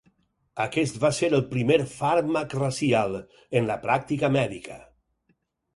Aquest va ser el primer "fàrmac racial" en la pràctica mèdica.